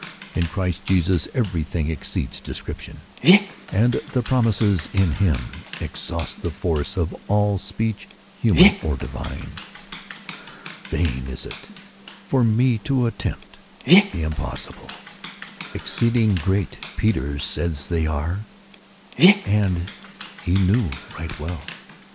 In Christ Jesus everything exceeds description ; and the promises in him ex haust the force of all speech, human or divine. Vain is it for me to attempt the impossible. \ 66 According to tlie Promise. Exceeding ^^greaf Peter says they are ; ana ^^ knew right well.